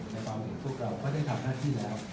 ถ้าบ้างเนี่ยทุกกระบวนก็ได้ทำหน้าที่แล้ว